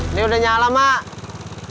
ini udah nyala mak